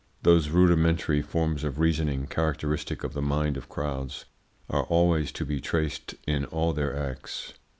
Those rudimentary forms of reasoning, characteristic of the mind of crowds, are always to be traced in all their acts.